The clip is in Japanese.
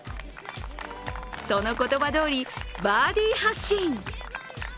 その言葉どおりバーディー発進。